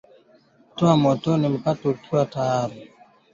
toa motoni mkate ukiwa tayari